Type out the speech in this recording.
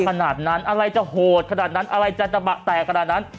ขนาดนั้นอะไรจะโหดขนาดนั้นอะไรจะตะบะแตกขนาดนั้น